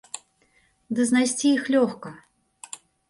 Ды знайсці іх лёгка.